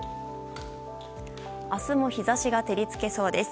明日も日差しが照り付けそうです。